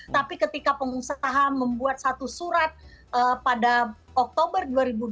tapi ketika pengusaha membuat satu surat pada oktober dua ribu dua puluh